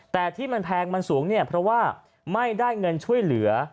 แต่ที่มันแพงมันสูงเนี่ยเพราะว่าไม่ได้เงินช่วยเหลือ